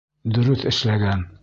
Дөрөҫ эшләгән.